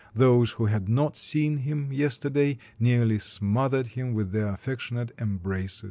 Those who had not seen him yesterday nearly smothered him with their affectionate embraces.